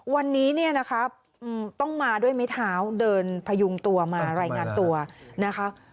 วันนี้ต้องมาด้วยเม้ยเท้าเดินพยุงตัวมารายงานตัวนะครับ